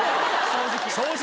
正直。